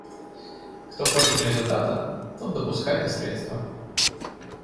Кто хочет результата, тот допускает и средства.